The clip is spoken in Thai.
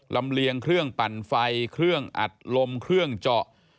เลียงเครื่องปั่นไฟเครื่องอัดลมเครื่องเจาะ